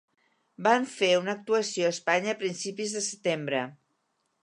Van fer una actuació a Espanya a principis de setembre.